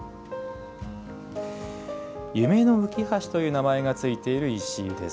夢の浮橋という名前が付いている石です。